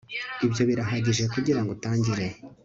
Ibyo birahagije kugirango utangire